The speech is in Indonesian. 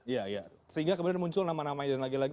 iya sehingga kemudian muncul nama nama dan lagi lagi